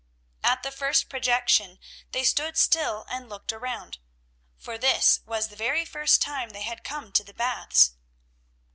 At the first projection they stood still and looked around, for this was the very first time they had come to the Baths.